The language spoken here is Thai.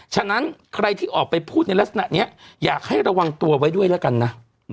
ฉะนั้นใครที่ออกไปพูดในลักษณะนี้อยากให้ระวังตัวไว้ด้วยแล้วกันนะ